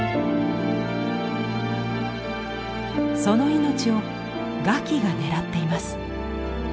その命を餓鬼が狙っています。